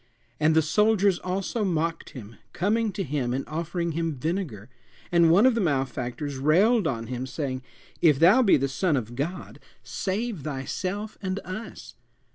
And the soldiers also mocked him, coming to him and offering him vinegar; and one of the malefactors railed on him, saying, If thou be the Son of God, save thyself and us.